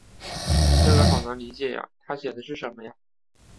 这个好难理解呀，她写的是什么呀？